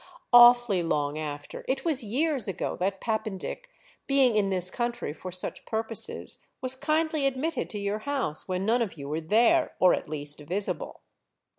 "Awfully long after—it was years ago that Pappen dick, being in this country for such purposes, was kindly admitted to your house when none of you were there, or at least visible."